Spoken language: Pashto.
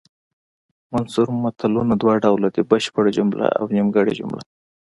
منثور متلونه دوه ډوله دي بشپړه جمله او نیمګړې جمله